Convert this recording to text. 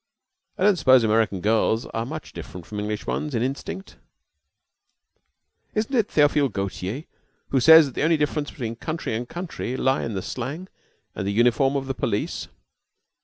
"I don't suppose American girls are much different from English ones in instinct." "Isn't it Theophile Gautier who says that the only difference between country and country lie in the slang and the uniform of the police?"